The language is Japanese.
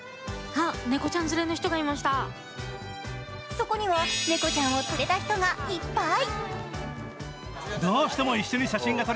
そこには猫ちゃんを連れた人がいっぱい。